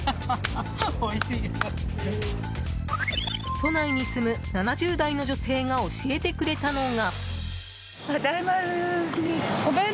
都内に住む７０代の女性が教えてくれたのが。